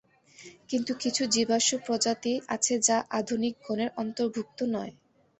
কিন্তু কিছু জীবাশ্ম প্রজাতি আছে যা আধুনিক গণের অন্তর্ভুক্ত নয়।